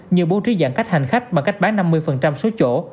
như bố trí giãn cách hành khách bằng cách bán năm mươi số chỗ